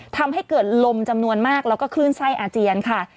ทำให้เกิดลมจำนวนมากแล้วก็คลื่นไส้อาเจียนค่ะ